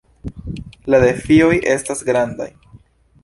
La defioj estas grandaj.